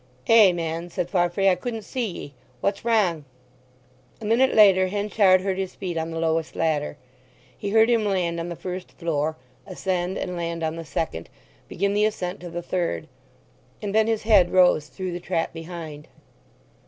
"Ay, man," said Farfrae. "I couldn't see ye. What's wrang?" A minute later Henchard heard his feet on the lowest ladder. He heard him land on the first floor, ascend and land on the second, begin the ascent to the third. And then his head rose through the trap behind.